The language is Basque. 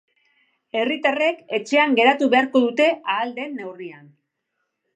Herritarrek etxean geratu beharko dute ahal den neurrian.